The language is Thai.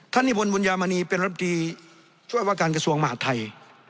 ท่านนิพนธ์บุญญามานีเป็นรัฐมนตรีช่วยอวการกระทรวงมหาดไทย